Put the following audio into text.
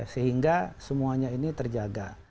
sehingga semuanya ini terjaga